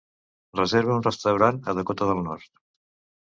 Reserva un restaurant a Dakota del Nord.